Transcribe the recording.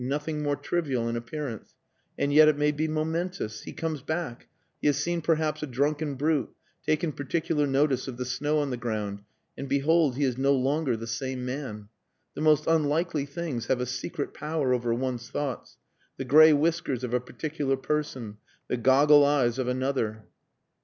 Nothing more trivial in appearance. And yet it may be momentous. He comes back he has seen perhaps a drunken brute, taken particular notice of the snow on the ground and behold he is no longer the same man. The most unlikely things have a secret power over one's thoughts the grey whiskers of a particular person the goggle eyes of another."